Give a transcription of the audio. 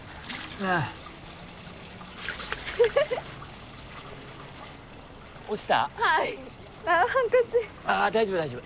ああ大丈夫大丈夫。